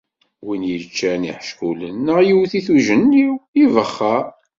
Win yeččan iḥeckulen neɣ yewt-it uǧenniw, ibexxer